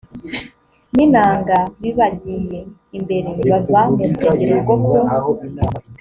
n inanga bibagiye imbere bava mu rusengero rwo ku